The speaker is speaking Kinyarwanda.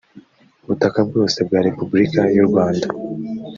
butaka bwose bwa repubulika y u rwanda